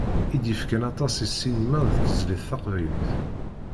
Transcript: I d-yefkan aṭas i ssinima d tezlit taqbaylit.